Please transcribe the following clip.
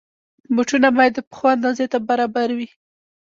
بوټونه باید د پښو اندازې ته برابر وي.